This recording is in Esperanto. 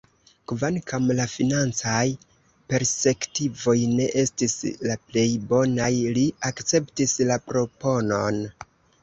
Kvankam la financaj perspektivoj ne estis la plej bonaj, li akceptis la proponon.